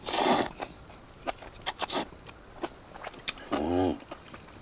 うん！